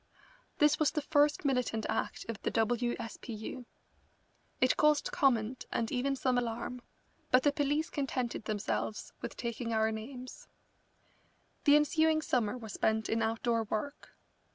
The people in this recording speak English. This was the first militant act of the W. S. P. U. It caused comment and even some alarm, but the police contented themselves with taking our names. The ensuing summer was spent in outdoor work.